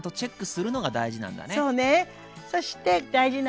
そうね。